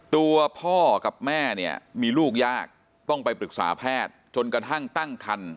ตัวพ่อกับแม่เนี่ยมีลูกยากต้องไปปรึกษาแพทย์จนกระทั่งตั้งคัน